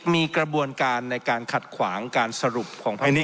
มีกระบวนการในการขัดขวางการสรุปของภายใน